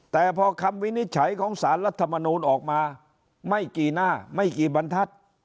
แต่พอคำวินิจฉัยของสารรัฐมนูลออกมาไม่กี่หน้าไม่กี่บรรทัศน์